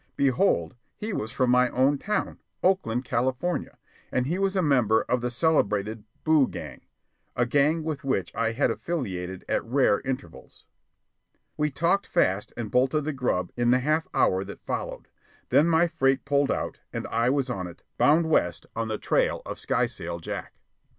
Behold, he was from my own town, Oakland, California, and he was a member of the celebrated Boo Gang a gang with which I had affiliated at rare intervals. We talked fast and bolted the grub in the half hour that followed. Then my freight pulled out, and I was on it, bound west on the trail of Skysail Jack.